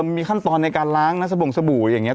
มีขั้นตอนในการล้างนะสบงสบู่อย่างนี้